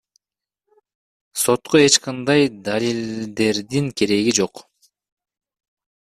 Сотко эч кандай далилдердин кереги жок.